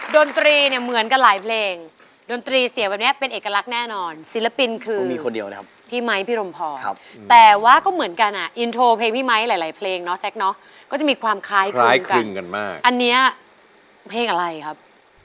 ดนตรีเนี่ยเหมือนกันหลายเพลงดนตรีเสียแบบนี้เป็นเอกลักษณ์แน่นอนศิลปินคือมีคนเดียวนะครับพี่ไมค์พี่รมพรแต่ว่าก็เหมือนกันอ่ะอินโทรเพลงพี่ไม้หลายหลายเพลงเนาะแซ็กเนาะก็จะมีความคล้ายคล้ายกันมากอันเนี้ยเพลงอะไรครับ